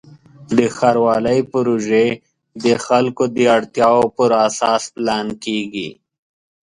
د ښاروالۍ پروژې د خلکو د اړتیاوو پر اساس پلان کېږي.